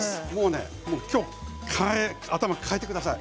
今日は頭を変えてください。